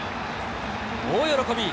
大喜び。